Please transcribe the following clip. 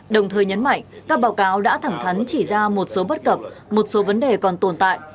đồng thời nhấn mạnh các báo cáo đã thẳng thắn chỉ ra một số bất cập một số vấn đề còn tồn tại